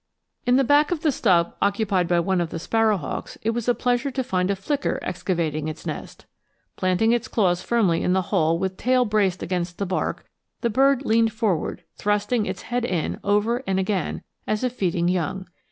In the back of the stub occupied by one of the sparrow hawks it was a pleasure to find a flicker excavating its nest. Planting its claws firmly in the hole with tail braced against the bark, the bird leaned forward, thrusting its head in, over and again, as if feeding young.